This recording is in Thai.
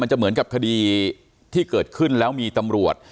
จะเหมือนกับคดีที่เกิดขึ้นแล้วมีตำรวจ